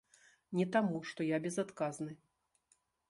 Не таму, што я безадказны.